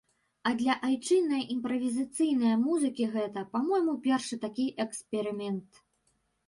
А для айчыннае імправізацыйнае музыкі гэта, па-мойму, першы такі эксперымент.